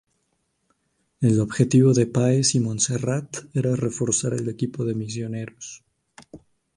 El objetivo de Páez y Montserrat era reforzar el equipo de misioneros.